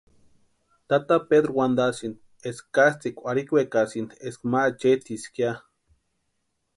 Tata Pedru wantasïnti eska katsʼïkwa arhikwekasïnka eska ma acheetisïnka ya.